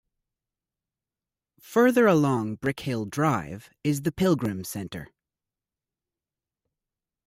Further along Brickhill Drive is The Pilgrim Centre.